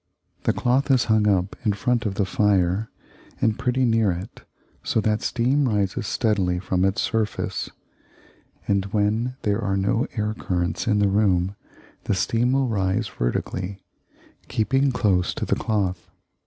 The cloth is hung up in front of the fire, and pretty near it, so that steam rises readily from its surface; and, when there are no air currents in the room, the steam will rise vertically, keeping close to the cloth.